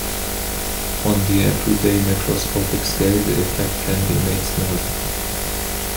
On the everyday macroscopic scale the effect can be made small.